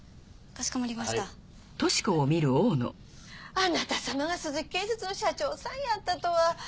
あなた様が鈴木建設の社長さんやったとは。